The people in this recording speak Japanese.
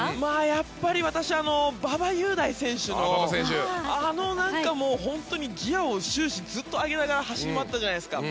やっぱり私は馬場雄大選手のあの、本当にギアを終始、ずっと上げながら走り回ったじゃないですか。